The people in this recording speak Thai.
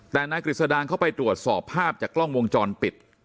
แต่นายกฤษดางเข้าไปตรวจสอบภาพจากกล้องวงจรปิด